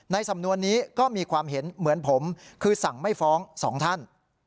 สำนวนนี้ก็มีความเห็นเหมือนผมคือสั่งไม่ฟ้องสองท่าน